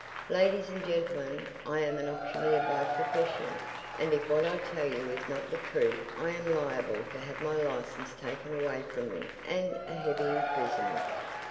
"Ladies and gentlemen, I am an auctioneer by profession, and if what I tell you is not the truth I am liable to have my licence taken away from me and a heavy imprisonment."